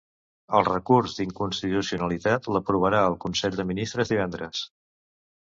El recurs d’inconstitucionalitat, l’aprovarà el consell de ministres divendres.